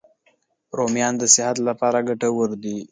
رومیان د صحت لپاره ګټور دي